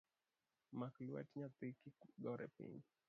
Mak lwet nyathi kik gore piny.